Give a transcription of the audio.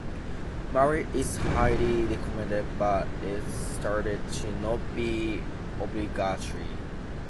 Marriage is highly recommended but is stated to not be obligatory.